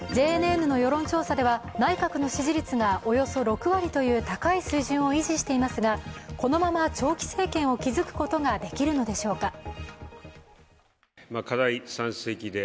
ＪＮＮの世論調査では、内閣の支持率がおよそ６割という高い水準を維持していますがこのまま長期政権を築くことができるのでしょうか。